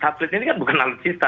atlet ini kan bukan alutsista